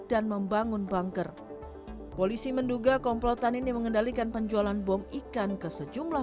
dan membangun bangker polisi menduga komplotan ini mengendalikan penjualan bom ikan ke sejumlah